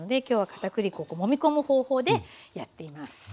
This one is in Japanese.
今日はかたくり粉もみ込む方法でやっています。